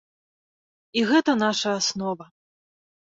І гэта наша аснова.